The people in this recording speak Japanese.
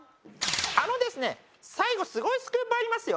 あのですね最後すごいスクープありますよ。